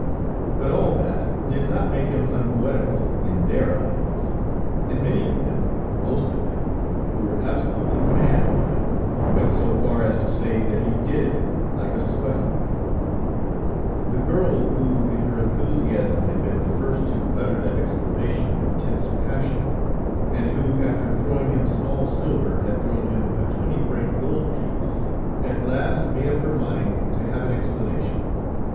But all that did not make him unpoetical in their eyes, and many of them, most of them, who were absolutely mad on him, went so far as to say that he did it like a swell! The girl, who in her enthusiasm had been the first to utter that exclamation of intense passion, and who, after throwing him small silver, had thrown him a twenty franc gold piece, at last made up her mind to have an explanation.